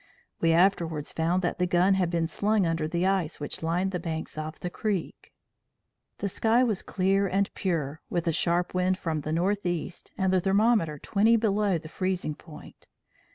We afterwards found that the gun had been slung under the ice which lined the banks of the creek. "The sky was clear and pure, with a sharp wind from the northeast, and the thermometer 20 below the freezing point.